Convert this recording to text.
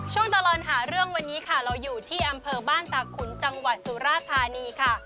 ช่วงตลอดหาเรื่องวันนี้ค่ะเราอยู่ที่อำเภอบ้านตาขุนจังหวัดสุราธานีค่ะ